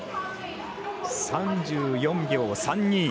３４秒３２。